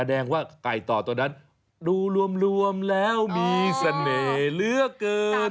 แสดงว่าไก่ต่อตัวนั้นดูรวมแล้วมีเสน่ห์เหลือเกิน